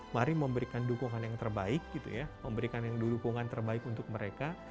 mari memberikan dukungan yang terbaik untuk mereka